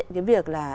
cái việc là